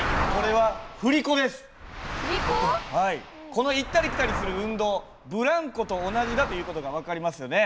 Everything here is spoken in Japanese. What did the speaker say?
この行ったり来たりする運動ブランコと同じだという事が分かりますよね。